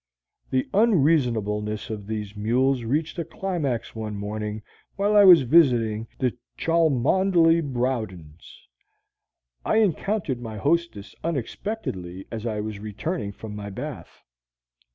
The unreasonableness of these mules reached a climax one morning while I was visiting the Cholmondeley Browdens. I encountered my hostess unexpectedly as I was returning from my bath.